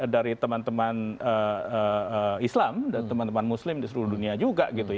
dari teman teman islam dan teman teman muslim di seluruh dunia juga